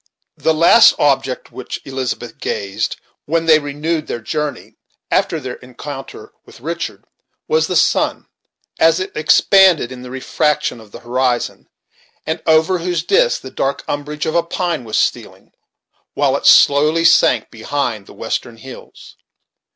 The last object at which Elizabeth gazed when they renewed their journey, after their encountre with Richard, was the sun, as it expanded in the refraction of the horizon, and over whose disk the dark umbrage of a pine was stealing, while it slowly sank behind the western hills.